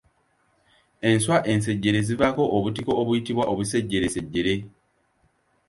Enswa ensejjere zivaako obutiko obuyitibwa obusejjeresejjere